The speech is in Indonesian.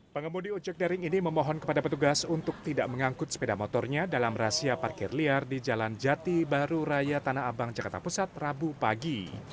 pengemudi ojek daring ini memohon kepada petugas untuk tidak mengangkut sepeda motornya dalam rahasia parkir liar di jalan jati baru raya tanah abang jakarta pusat rabu pagi